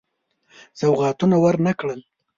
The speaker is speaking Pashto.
سوغاتونه ورنه کړل.